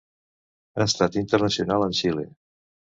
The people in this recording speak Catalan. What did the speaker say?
Ha estat internacional amb Xile.